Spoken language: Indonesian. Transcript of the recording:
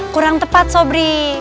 kurang tepat sobri